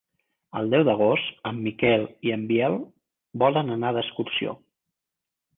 El deu d'agost en Miquel i en Biel volen anar d'excursió.